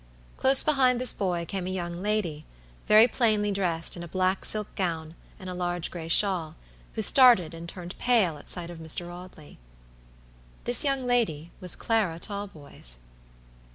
Close behind this boy came a young lady, very plainly dressed in a black silk gown and a large gray shawl, who started and turned pale at sight of Mr. Audley. This young lady was Clara Talboys.